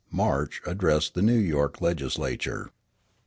March. Addressed the New York legislature.